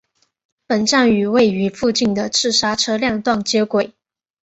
本站与位于附近的赤沙车辆段接轨。